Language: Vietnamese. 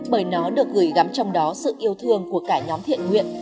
bởi nó được gửi gắm trong đó sự yêu thương của cả nhóm thiện nguyện